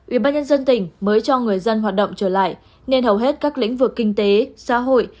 ubnd tỉnh mới cho người dân hoạt động trở lại nên hầu hết các lĩnh vực kinh tế xã hội